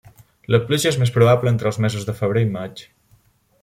La pluja és més probable entre els mesos de febrer i maig.